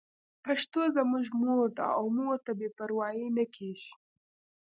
پښتو زموږ مور ده او مور ته بې پروايي نه کېږي.